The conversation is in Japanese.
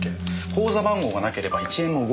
口座番号がなければ１円も動かせない。